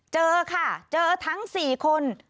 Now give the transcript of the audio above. เจอค่ะเจอทั้ง๔คน